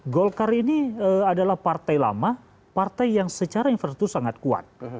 golkar ini adalah partai lama partai yang secara infrastruktur sangat kuat